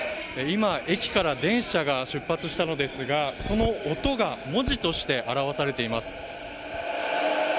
今、駅から電車が出発したのですがその音が文字として表されています。